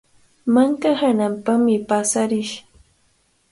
Manka hananpami paasarish.